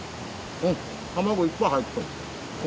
卵いっぱい入っとる。